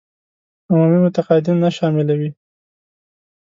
عمومي متقاعدين نه شاملوي.